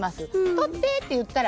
「取って！」って言ったら。